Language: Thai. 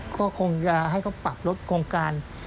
ก็คงจะให้เขาปรับลดโครงการ